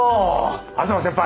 東先輩！